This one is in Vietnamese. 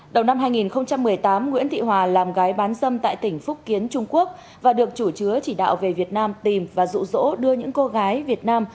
đầu năm hai nghìn một mươi tám nguyễn thị hòa làm gái bán dâm tại tỉnh phúc kiến trung quốc và được chủ chứa chỉ đạo về việt nam tìm và rụ rỗ đưa những cô gái việt nam